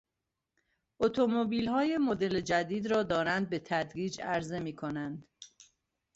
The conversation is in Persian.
اتومبیلهای مدل جدید را دارند به تدریج عرضه میکنند.